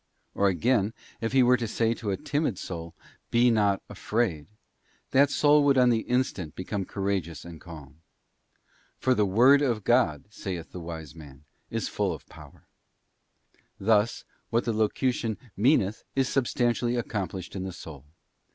Or, again, if He were to say toa timid soul, Be not afraid; that soul would on the instant become courageous and calm. For 'The Word of God,' saith the wise man, 'is full of power..* Thus, what the locution meaneth is substantially accomplished in the soul.